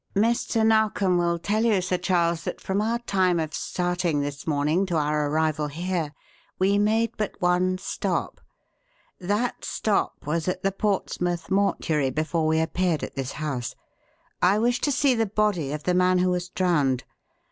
"Mr. Narkom will tell you, Sir Charles, that from our time of starting this morning to our arrival here we made but one stop. That stop was at the Portsmouth mortuary before we appeared at this house. I wished to see the body of the man who was drowned.